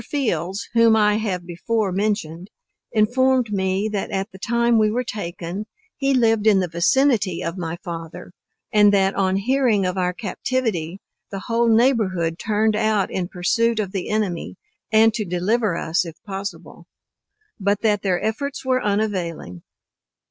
Fields, whom I have before mentioned, informed me that at the time we were taken, he lived in the vicinity of my father; and that on hearing of our captivity, the whole neighborhood turned out in pursuit of the enemy, and to deliver us if possible: but that their efforts were unavailing.